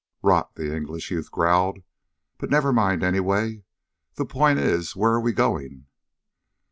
"Rot!" the English youth growled. "But never mind, anyway. The point is, where are we going?"